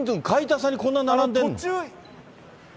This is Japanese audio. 買いたさにこんな並んでるの？